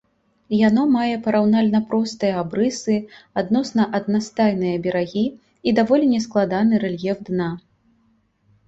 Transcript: Яно мае параўнальна простыя абрысы, адносна аднастайныя берагі і даволі нескладаны рэльеф дна.